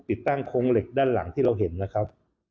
ติดตั้งโครงเหล็กด้านหลังที่เราเห็นนะครับ